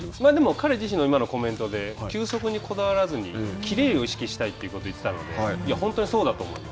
彼自身の今のコメントで球速にこだわらずに切れを意識したいということを言っていたので本当にそうだと思います。